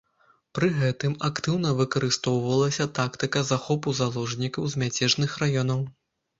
Пры гэтым актыўна выкарыстоўвалася тактыка захопу заложнікаў з мяцежных раёнаў.